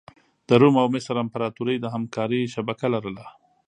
د روم او مصر امپراتوري د همکارۍ شبکه لرله.